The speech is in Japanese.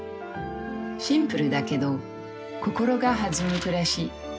シンプルだけど心が弾む暮らし。